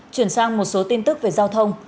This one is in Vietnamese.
chuyển sang một số tin tức về giao thông